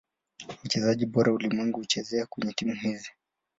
Wachezaji bora ulimwenguni hucheza kwenye timu hizi.